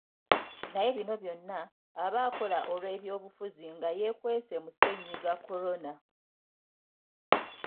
Naye bino byonna abakola olw'ebyobufuzi nga yeekwese mu Ssennyiga Corona.